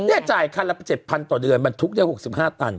เนี่ยจ่ายคันละ๗๐๐๐ต่อเดือนมันทุกข์ได้๖๕ตัน